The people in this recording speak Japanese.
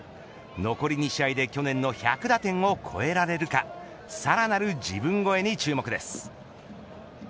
残り２試合で去年の１００打点を超えられるかさらなる自分超えに注目です。